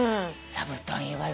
座布団いいわよ。